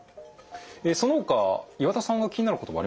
えそのほか岩田さんが気になる言葉あります？